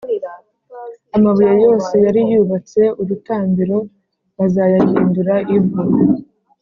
Amabuye yose yari yubatse urutambiro bazayahindura ivu,